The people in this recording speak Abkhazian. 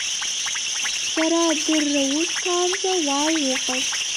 Сара адырра усҭаанӡа уа уҟаз.